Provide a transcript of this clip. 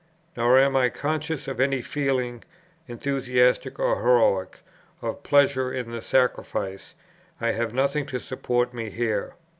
Nor am I conscious of any feeling, enthusiastic or heroic, of pleasure in the sacrifice; I have nothing to support me here.